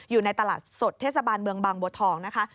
อยู่ในตลาดสดเทศบาลเมืองบางบัวทองนะคะ